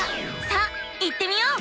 さあ行ってみよう！